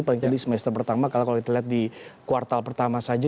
paling tadi semester pertama kalau kalau dilihat di kuartal pertama saja